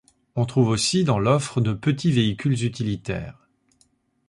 On trouve aussi dans l’offre de petits véhicules utilitaires.